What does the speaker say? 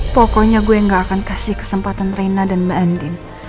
pokoknya gue gak akan kasih kesempatan rena dan mbak andin